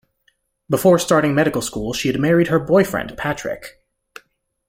Before starting medical school, she had married her boyfriend Patrick.